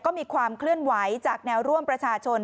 ก็มีความเคลื่อนไหวจากแนวร่วมประชาชน